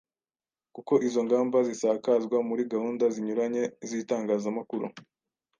kuko izo ngamba zisakazwa muri gahunda zinyuranye z’itangazamakuru.